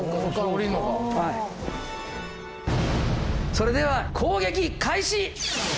それでは攻撃開始！